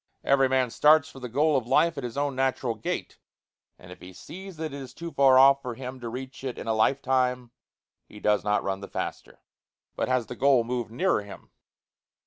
Every man starts for the goal of life at his own natural gait, and if he sees that it is too far off for him to reach it in a lifetime, he does not run the faster, but has the goal moved nearer him.